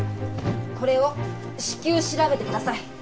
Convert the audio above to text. これを至急調べてください。